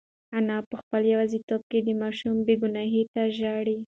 انا په خپل یوازیتوب کې د ماشوم بې گناهۍ ته ژاړي.